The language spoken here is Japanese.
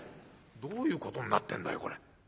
どういうことになってんだよこれ。